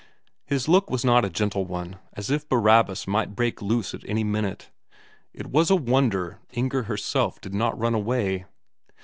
His look was not a gentle one; as if Barabbas might break loose at any minute. It was a wonder Inger herself did not run away.